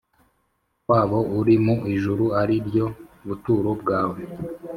Kwabo uri mu ijuru ari ryo buturo bwawe